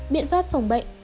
biện pháp phòng bệnh